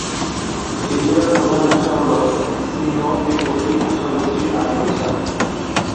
এই জেলার প্রধান ভাষা হল সিনো-তিব্বতি ভাষাগোষ্ঠীর আদি ভাষা।